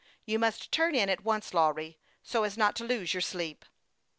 You must turn in at once, Lawry, so as not to lose your sleep."